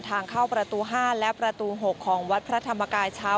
ทางเข้าประตู๕และประตู๖ของวัดพระธรรมกายเช้า